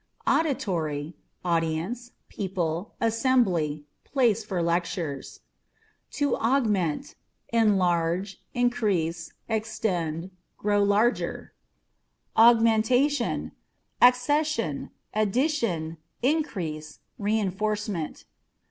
Auditory â€" audience, people, assembly ; place for lectures. To Augmentâ€" enlarge, increase, extend ; grow larger. Augmentation â€" accession, addition, increase, re inforcement.